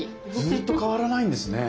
ずっと変わらないんですね。